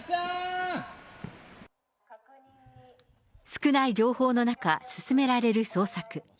少ない情報の中、進められる捜索。